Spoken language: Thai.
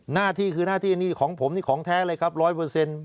หน้าที่คือหน้าที่นี่ของผมนี่ของแท้เลยครับร้อยเปอร์เซ็นต์